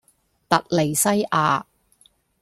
突尼西亞